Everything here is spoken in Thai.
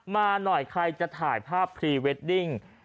มาหน่อยใครจะถ่ายภาพพรีเวดดิ้ง